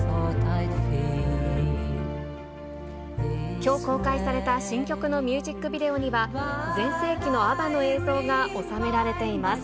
きょう公開された新曲のミュージックビデオには、全盛期のアバの映像が収められています。